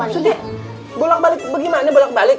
suti bulat balik bagaimana bulat balik